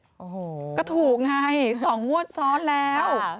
โอ้โหก็ถูกไง๒งวดซ้อนแล้ว